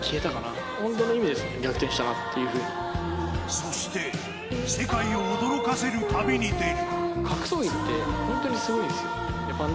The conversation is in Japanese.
そして世界を驚かせる旅に出る。